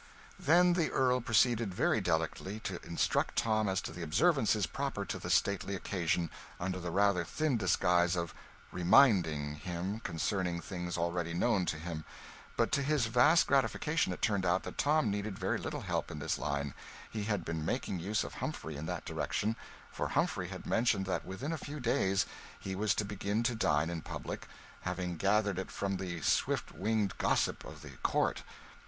Then the Earl proceeded, very delicately, to instruct Tom as to the observances proper to the stately occasion, under the rather thin disguise of 'reminding' him concerning things already known to him; but to his vast gratification it turned out that Tom needed very little help in this line he had been making use of Humphrey in that direction, for Humphrey had mentioned that within a few days he was to begin to dine in public; having gathered it from the swift winged gossip of the Court.